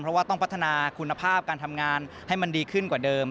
เพราะว่าต้องพัฒนาคุณภาพการทำงานให้มันดีขึ้นกว่าเดิม